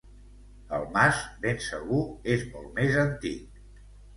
El mas, ben segur, és molt més antic.